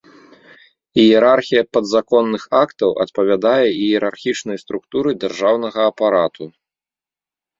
Іерархія падзаконных актаў адпавядае іерархічнай структуры дзяржаўнага апарату.